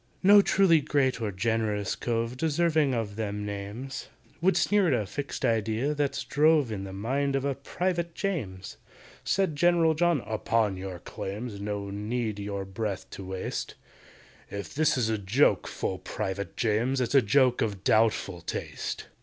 "No truly great or generous cove Deserving of them names, Would sneer at a fixed idea that's drove In the mind of a PRIVATE JAMES!" Said GENERAL JOHN, "Upon your claims No need your breath to waste; If this is a joke, FULL PRIVATE JAMES, It's a joke of doubtful taste.